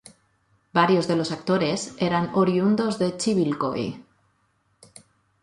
Varios de los actores eran oriundos de Chivilcoy.